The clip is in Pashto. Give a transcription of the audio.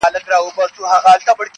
ږغ ده محترم ناشناس صاحب-